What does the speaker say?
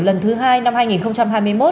lần thứ hai năm hai nghìn hai mươi một